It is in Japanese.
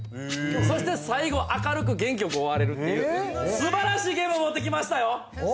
そして最後明るく元気よく終われるっていうすばらしいゲーム持ってきましたよ